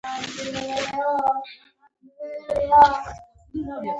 • غاښونه د خولې ښکلا زیاتوي.